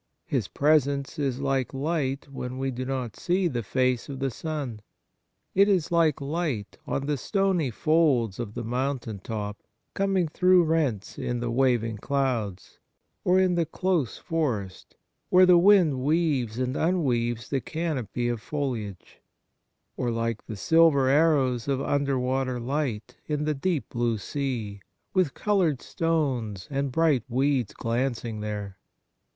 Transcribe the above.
His presence is like light when we do not see the face of the 4 b Kindness sun. It is like light on the stony folds of the mountain top coming through rents in the waving clouds ; or in the close forest, where the wind weaves and unweaves the canopy of foliage ; or like the silver arrows of under water hght in the deep blue sea, with coloured stones and bright weeds glancing there.